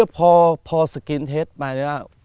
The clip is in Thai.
พอสกรีนเทสมาเนี่ย